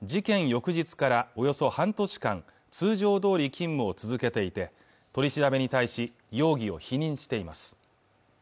翌日からおよそ半年間通常どおり勤務を続けていて取り調べに対し容疑を否認しています